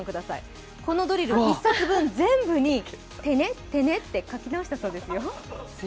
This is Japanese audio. このドリル１冊分全部に「てね」と書き直したそうですよ。